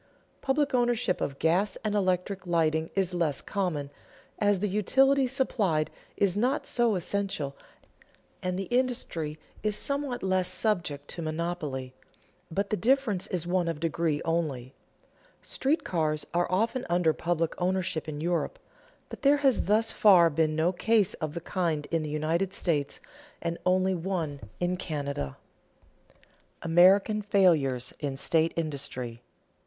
Public ownership of gas and electric lighting is less common, as the utility supplied is not so essential and the industry is somewhat less subject to monopoly; but the difference is one of degree only. Street railroads are often under public ownership in Europe; but there has thus far been no case of the kind in the United States, and only one in Canada. [Sidenote: American failures in state industry] 2.